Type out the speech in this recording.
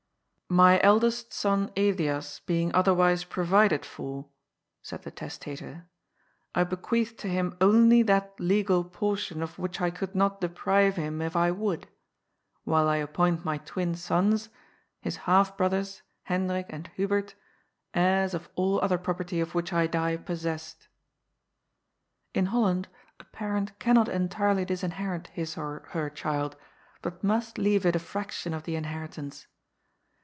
" My eldest son Elias being otherwise provided for," said the testator, *' I bequeath to him only that legal portion of which I could not deprive him if I would, while I ap point my twin sons, his half brothers, Hendrik and Hubert, heirs of all other property of which I die possessed." In Holland a parent cannot entirely disinherit his or her child, but must leave it a fraction of the inherit ance.